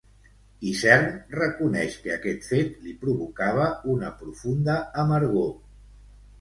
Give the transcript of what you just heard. Isern reconeix que aquest fet li provocava una profunda amargor.